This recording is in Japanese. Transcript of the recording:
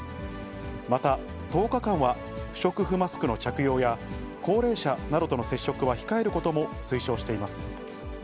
また、１０日間は、不織布マスクの着用や、高齢者などとの接触は控えることも推奨しています。